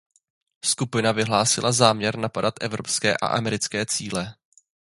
Skupina vyhlásila záměr napadat evropské a americké cíle.